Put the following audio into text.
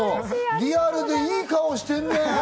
リアルで、いい顔してるね！